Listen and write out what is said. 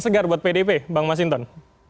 segar buat pdp bang masinton